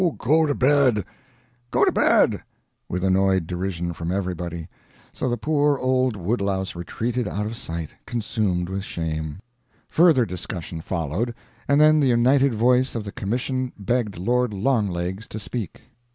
go to bed! go to bed!" with annoyed derision from everybody. So the poor old Woodlouse retreated out of sight, consumed with shame. Further discussion followed, and then the united voice of the commission begged Lord Longlegs to speak.